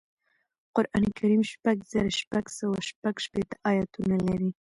قرآن کریم شپږ زره شپږسوه شپږشپیتمه اياتونه لري